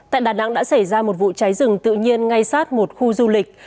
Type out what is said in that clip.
tại đà nẵng đã xảy ra một vụ cháy rừng tự nhiên ngay sát một khu du lịch